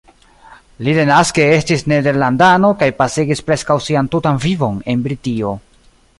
Li denaske estis nederlandano kaj pasigis preskaŭ sian tutan vivon en Britio.